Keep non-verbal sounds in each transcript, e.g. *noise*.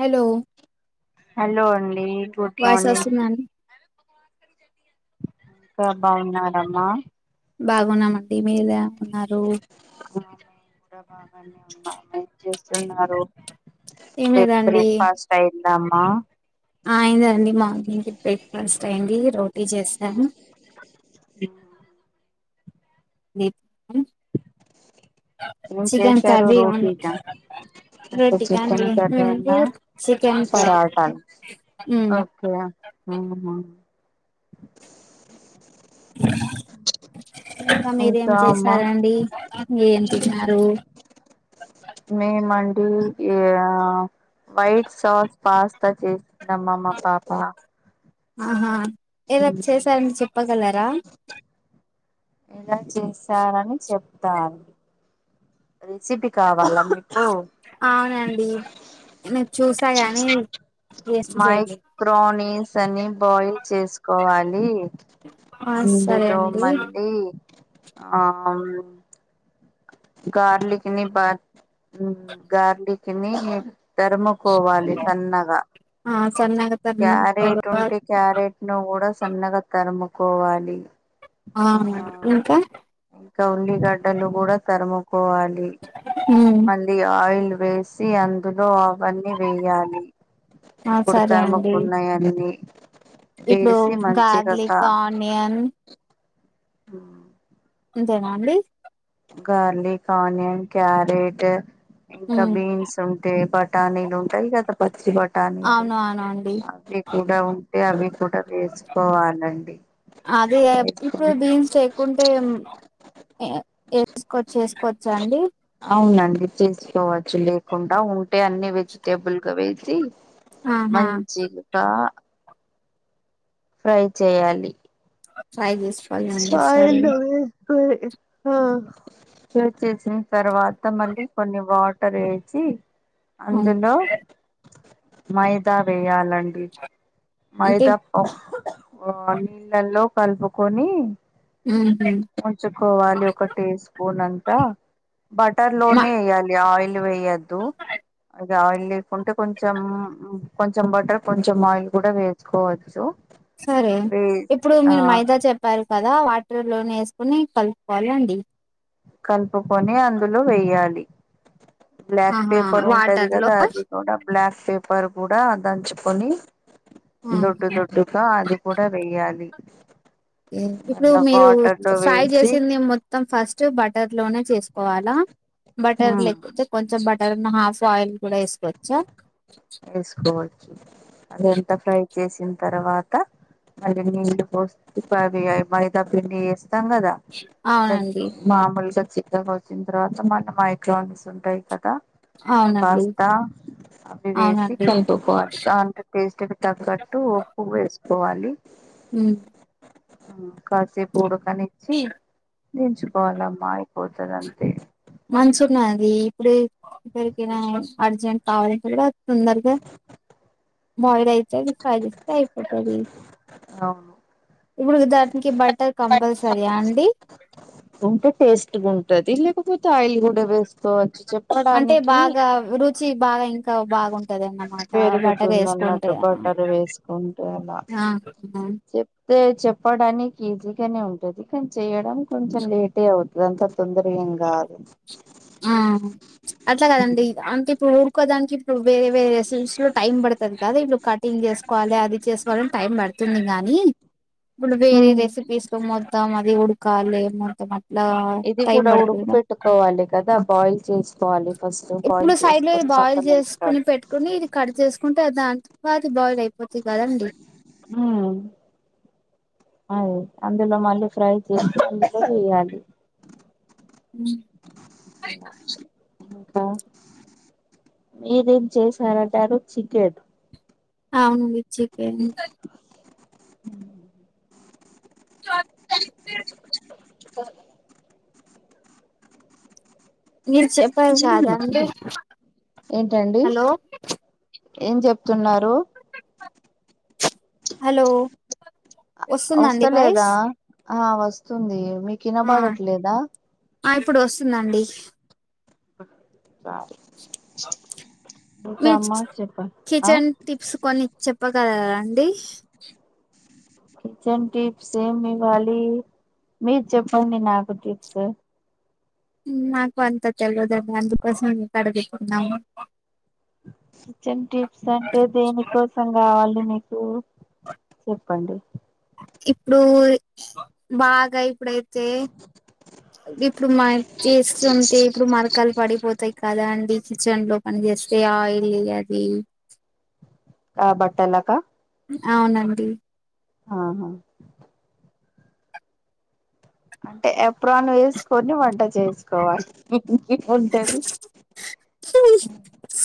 Hello hello అండి good voice morning వస్తుందండి కా బాగున్నారమ్మా బాగున్నామండి మీర ఉన్నారు బానే ఉన్నం ఎం చేస్తున్నారు ఏం బ్రేక్ లేదండి బ్రేక్ఫాస్ట్ అయిందాం ఆ ఆ అయిందండి ట్టి చేస్తాను ఉం ఏం చికెన్ చేశారు కర్రీ వన్ రోటీనా ఒక రోటి చికెన్ కర్రీ అన్న *inaudible* చికెన్ పరాటాలు ఉం ఆహ ఇంకా మీరేం చేసారండి టిఫినేం తిన్నారు మేము అండి ఈయ వైట్ సాస్ పాస్తా చేసి ఆహా ఎలా చేశారని చెప్పగలరా గా ఎలా చేశారని చెప్తా రెసిపీ కావాలా మిక్ హలో అవునండి నేను చూసా గాని టేస్ట్ చేయలేదు మైక్రోనిస్ అని బాయిల్ చేసుకోవాలి ఆ సరే అందులో అండి మళ్ళీ ఆ గార్లిక్ ని బ గార్లిక్ కిని తరుముకోవాలి సన్నగా ఆ సన్నగా తరిగిన క్యారెట్ తర్వాత ఉంటే క్యారెట్ ను కూడా సన్నగా తరుముకోవాలి ఆ ఇంకా ఇంకా ఉల్లిగడ్డలు కూడా తరుముకోవాలి ఉమ్ మళ్ళీ ఆయిల్ వేసి అందులో అవన్నీ వేయాలి ఆ ఇప్పుడు సరే తనము అండి ఉన్నాయి అన్ని ఇప్పుడు గార్లిక్ ఆనియన్ ఆ ఇంతేనా అండి గార్లిక్ ఆనియన్ క్యారెట్ ఇంకా ఉమ్ బీన్స్ ఉంటా బట్ట గలీలు ఉంటాయి *unintelligible* పచ్చబటానీలు అవును అవును అండి అవి కూడా ఉంటే అవి కూడా వేసుకోవాలండి అదే ఇప్పుడు వేసుకొని బీన్స్ లేకుంటే వేసుకోవచ్చు వేసుకోవచ్చా అండి అవునండి తీసుకోవచ్చు లే కకుండా ఉంటే అన్ని వెజిటేబుల్గా వేసి ఆహా మంచిగా ఫ్రై చెయాలి ట్రై చేసుకోవాలండి సాా సరే లే ఆ చ చేేసిన తర్వాత మళ్ళీ కొన్ని వాటర్ వేసి ఉమ్, అందులో మైదా వేయాలండి అంటే మైదా నీళ్ళల్లో కలుపుకొని ఉమ్మ్ ఉంచుకోవాలి ఒక టీ స్పూన్ అంతా బటర్ మా లోనే వేయాలి ఆయిల్ వేయద్దు ఇగ ఆయిల్ లేకుంటే కొంచెం కొంచెం బటర్ కొంచెం ఆయిల్ కూడా వేసుుకోవచ్చు సరే ఇప్పుడు మీరు మైదా చెప్పారు కదా వాటర్ లోనే వేసుకుని కలుపుకోవాలండి కలుపుకొని అందులో వేయ్యాలి బ్లాక్ ఆహా పేపర్ ఉంటది వాటర్ లో కదా అది కూడా బ్లాక్ పెప్పర్ కూడా దంచుకొని దొడ్డు ఆహా. దొడ్డుగా అది కూడా వెేయ్యాలి ఇప్పుడు మీరు ఫ్రై వేసి చేసింది మొత్తం ఫస్ట్ బటర్ లోనే చేసు కోవాలా బటర్ లేకపోతే కొంచెం బటర్ హాఫ్ ఆయిల్ కూడా వేసుకోవచ్చా ఏసుకోవచ్చు అది ఎంత ఫ్రై చేసింది తర్వాత మళ్ళీ నీళ్లు పోసివ మైదా పిండి వే ఉంటాం గదా కొంచెం అవునండి మామూలుగా చిక్కగా వచ్చిన తర్వాత మన మైక్రోన్స్ ఉంటాయి కదా అవునండి పాస్తా అవి వేసి అవునండి కలుపుకోవాలి దాంత టేస్ట్ తగ్గట్టు ఉప్పు వేసుకోవాలి ఉ కాసేపు ఉడకనిచ్చి దించుకోవాలామా పోతదంతే నది ఇప్పుడే దరికినా అర్జెంట్ కావాలంటే కూడా తొందరగా బోయిలయి ఫ్రై చేస్తే అయిపోతది అవును ఇప్పుడు దానికి బటర్ కంపల్సర రియా అండి ఉంటే టేస్ట్గా ఉంటది లేకపోతే ఆయిల్ కూడా వేసుకోవ అంటే బాగా రుచి బాగా ఇంకా బాగుం పెరుగుతుంది అన్నట్టు బట్టర్ వేసుకుంటే అలా ఆ చెప్ చెప్పడానికి ఈజీగానే ఉంటుంది కానీ చేయడం కొంచెం లేటే అవుతది అంత తొందరగా ఏం కాదు ఆ అట్లా కదండి అంటే ఇప్పుడు ఎక్వ దానికి ఇప్పుడు వేరే రెసిపీస్ లో టైం పడుతది కదా ఇప్పు కటింగ్ చేసుకోవాలె అది చేసుకోవాలని టైం పడ్తాది తుంది కానీ ఇప్పుడు వేరే హ్మ్ రెసిపీస్ లో మొత్తం అది ఉడకాలి మొత్తం అట్లా టైం పడత ఉడక పెట్టుకోవాలి కదా బాయిల్ చేసుకోవాలి ఫస్ట్ బాయిల్ ఇప్పుడు సైడ్ లో ఇది చేసుకొని బాయిల్ పక్కన చేసుకుని ఉంచుకోవాలి పెట్టుకుని ఇది కట్ చేసుకుంటే దాని అది బాయిల్ అయిపోంది కదండి ఉ అదే అందులో మళ్ళీ ఫ్రై చేసినంక చేయ్యాలి ఉ ఇంకా మీరేం చేశారన్నారు చికెన్ అవును మిచ్చికేన్ చ చికెన్ క మీరు చెప్పారు కాదండి ఏంటండి హలో ఏం చెప్తున్నారు హలో వస్తుందండి వాయిస్ వస్తలేదా ఆ వస్తుంది మీకు ఆ వినపడట్లేదా ఆ ఇప్పుడు వస్తుందండి ఇంకా మీ అమ్మ చెప్ప ఆ కిచెన్ టిప్స్ కొన్ని చెప్ చెప్పగలరా రాండి కిచెన్ టిప్స్ ఏం ఇవ్వాలి మీరు చెప్పండి నాకు టిప్స్ నాకు అంత తెలియదండి అందుకోసం కడుగుతున్నాము కిచెన్ టిప్స్ అంటే దేని కోసం కావాలి మీకు చెప్పండి ఇప్పుడు బాగా ఇప్పుడైతే ఇప్పుడు మ చేస్తుంటే ఇప్పుడు మరకాల్ పడిపోతాయి కదా అండి కిచెన్ లో పనిచేస్తే ఆయిల్ అది ఆ బట్టలకా అవునండి ఆహా అంటే ఎప్రాన్ వేసుకొని వంట చేసుకోవాలి ఇంకే ఉంటది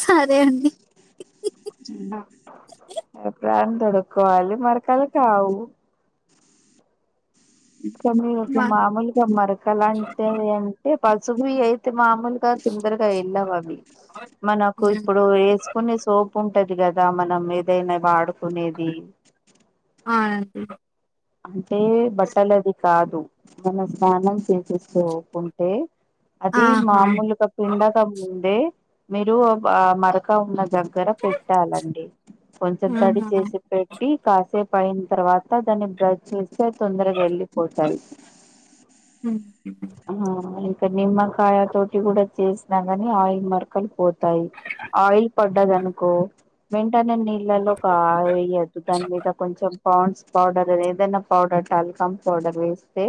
సరే అండి ఎప్ర తొడుక్కోవాలి మరకలు కావు ఇంకా మీ ఇట్లా మా మామూలుగా మరక లాంటిది అంటే పసుపు అయితే మామూ లుగా తొందరగా వెళ్ళవు అవి మనకు అవునండి ఇప్పుడు వేసుకునే సోపు ఉం ఉంటది కదా మనం ఏదైనా వాడుకునేది అంటే బట్టలది కాదు మనం స్నానం చేసే సోప్ ఉంటే అది ఆహా ఆహా మామూలుగా పిండక ముందే మీరు ఆ మరక ఉన్నది దగ్గర పెట్టాలండి కొంచెం తడి చేసి పెట్టి కాసేపు పైన తర్వాత దాన్ని బ్రష్ చేత్తే తొందరగా వెళ్ళిపోతాయ్ ఉ నిమ్మకాయ తోటి కూడా చేసిన గాని ఆయిల్ మరకలు పో తాయ్ ఆయిల్ పడ్డది అనుకో వెంటనే నీళ్ళల్లో ఒక వేయద్దు దాని మీద కొంచెం పాండ్స్ పౌడర్ అనేది దన్న పౌడర్ టల్కమ్ పౌడర్ వేస్తే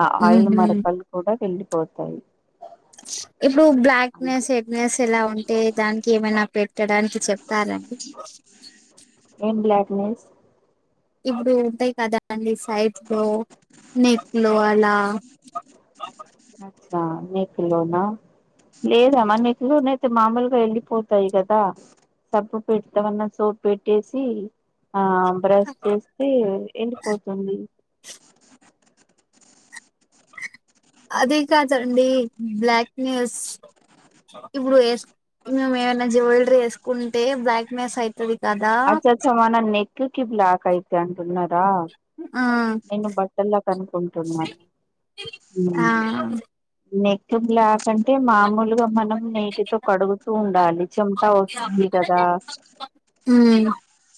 ఆ ఆయిల్ ఉహు మరకలు కూడా వెళ్ళి పోతాయి ఇప్పుడు బ్లాక్నెస్ హెడ్నెస్ ఎలా ఉంటే దానికి ఏమైనా పెట్టడానికి చెప్ ఏం బ్లాక్ నెస్ ఇప్పుడు ఉంటాయి కదా అండి సైడ్ లో నెక్ లో అలా అ నెక్కులోనా లేదు అమన్ మీకు అయితే మామూలుగా వెళ్ళిపోతాయి కదా సబ్బు పెడతామన్న సోప్ పెట్టేసి ఆ బ్రష్ చేస్తే ఎండిపోతుంది అదే కాదండి బ్లాక్ న్యూస్ ఇప్పుడు వేస్ నువ్వేమైనా జ్యులరీ వేసుకుంటే బ్లాక్నెస్ అయి అచ్చ అచ్చ మన నెక్క్ కి బ్లాక్ అయితే అంటున్నారా ఆ నేను బట్టలా కనుక్కుంటున్నాను ఉ ఆ నె క్క్ బ్లాక్ న్ అంటే మామూలుగా మనం నేటితో కడుగుతూ ఉండాలి చెమట వస్తుంది కదా ఉమ్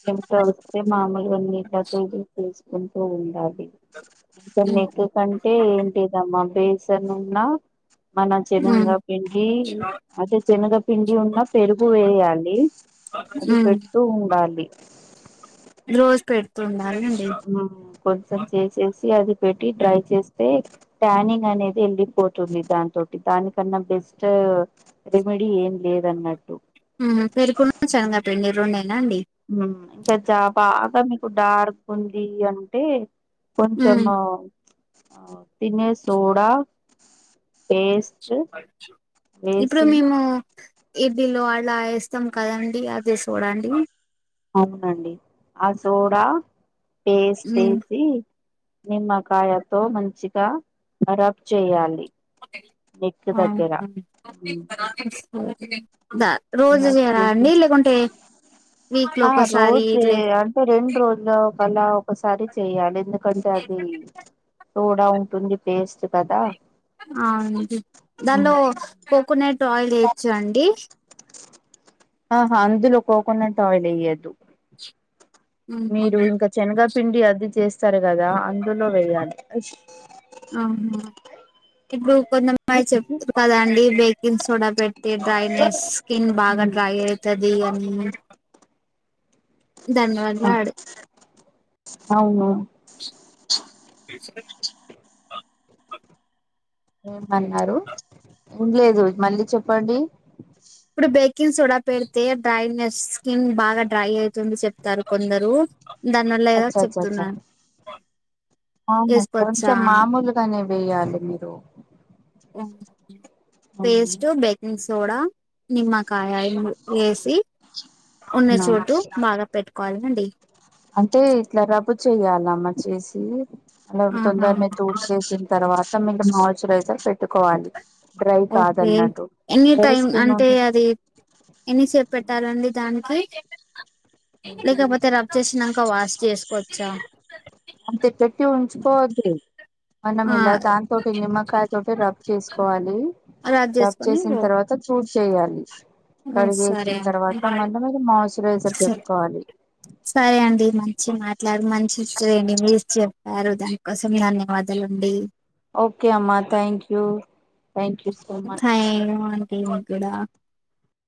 చెమట వస్తే మామూలుగా అన్నీ ఇలా చే తీసుకుంటూ ఉంటారు ఉమ్ నెక్క కంటే ఏంటిదమ్మా బేసన్ ఉన్నా మన ఉమ్ శనగపిండి అంటే శనగపిండి ఉన్న పెరుగు వేయాలి అది పెడుతూ ఉండాలి రోజ్ మా కొర్సం చేసే అది పెట్టి డ్రై చేస్తే టానింగ్ అనేది వెళ్ళిపోతుంది దానితోటి దానికన్నా స్ట్ రెమెడీ ఏం లేదన్నట్టు ఉ పెరుగును శనగపిండి రెండే ఉ ఇంకా జాబా మీకు డార్క్ ఉంది అంటే ఉమ్ కొంచము తినే సోడా పేస్ట్ ఇప్పుడు వేసి మేము ఇడ్లీలో అలా వేస్తాం కదండి అదే షోడ అండి అవునండి ఆ సోడా పేస్ట్ ఉమ్ ఏసి నిమ్మకాయతో మంచిగా రబ్ చేయాలి. నెక్ దగ్గర ఆహ దా రోజు అలా ఏరా చేసిన నీళ్లు గుంటే ఆ రోజే అంటే రెండు రోజుల ఒక గలా ఒకసారి చెయాలి ఎందుకంటే అది సోడా ఉంటుంది పేస్ట్ కదా అవుండి ఉమ్. దానిలో కోకోనట్ ఆయిల్ వేయచ్చ అండి ఆహా అందులో కోకోనట్ ఆయిల్ ఏయ్యదు మీరు ఇంకా శనగ పిండి అద్ధి చేస్తారు కదా అందులో వెయాలి. ఆహా ఇప్పుడు కొంతయి చెప్ కదండి బేకింగ్ సోడా పెట్తే డ్రైనెస్ స్కిన్ బాగా ఉమ్, డ్రై అయితు కది అని ధన్యవాద ఆ వాడు అవును రెస్పెక్ట్ అ ఏమన్నారు ఏం లేదు మళ్ళీ చెప్పండి. ఇప్పుడు బె కిన్ సోడా పెడితే డ్రైనెస్ స్కిన్ బాగా డ్రై అయితుంది చెప్తారు కొందరు దానివల్ల గా అచ్చ చెప్తున్నాను అవునా వేసుకోవచ్చా కొంచెం మామూలుగానే వేయాలి మీరు పేస్ట్ అవునా బేకింగ్స్ సోడ, నిమ్మకాయ వేసి ఉన్న చోటు బాగా పెట్టు కోలనండి క్కు చెయ్యాలమ్మా చేసి అలా ఆహా తొందరనే తోడు చేసిన తర్వాత మత్తం మీ మార్చరైజర్ పెట్టుకోవాలి డ్రై ఓకే కాదన్నట్టు ఎనీ డ్రై టైమ్ స్కిన్ అంటే ఉంటే అది ఎన్నిసేపు పెట్టాలండి దానికి లేకపోతే రబ్ చేసినాక వాష్ చేసుకోవచ్చా అంతటీటున్ పోద్దు మనం ఆ ఇలా దాని తోటి నిమ్మకాయ తోటి రబ్ చేసుకోవాలి. రబ్ చేసుకొని చేసిన ఓ తర్వాత చూడ్ చేయాలి. హ్మ్. సరే కడిగేసిన అండి. తర్వాత మళ మాయిచరైజర్ సరే పెట్టుకోవాలి. మచ్చి మాట్లాడు మంచి ఇస్తుందిండి మీరు చెప్పారు దానికోసం ధన్యవాదాలు అండి. ఓకే అమ్మా thank you thank you so much time అండి మీక్కుడా